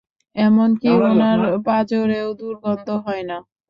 এমনকি উনার পাঁজরেও দুর্গন্ধ হয় না!